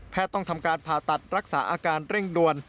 ต้องทำการผ่าตัดรักษาอาการเร่งด่วน